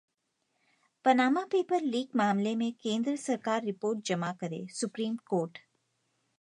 Panama paper leak मामले में केंद्र सरकार रिपोर्ट जमा करे: सुप्रीम कोर्ट